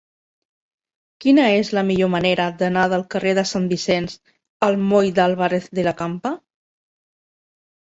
Quina és la millor manera d'anar del carrer de Sant Vicenç al moll d'Álvarez de la Campa?